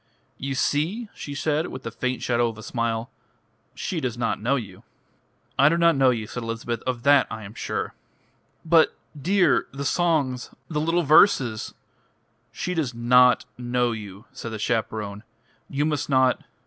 "You see?" she said, with the faint shadow of a smile. "She does not know you." "I do not know you," said Elizabeth. "Of that I am sure." "But, dear the songs the little verses " "She does not know you," said the chaperone. "You must not....